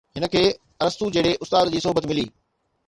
هن کي ارسطو جهڙي استاد جي صحبت ملي